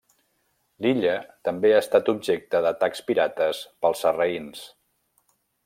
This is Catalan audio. L'illa també ha estat objecte d'atacs pirates pels sarraïns.